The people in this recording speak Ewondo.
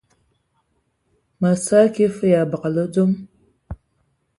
Mǝ sǝ hm kig fǝg ai abǝgǝlǝ Zɔg.